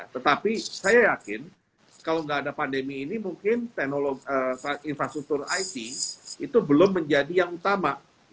tetapi saya yakin kalau nggak ada pandemi ini mungkin infrastruktur it itu belum menjadi yang utama